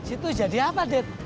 itu jadi apa det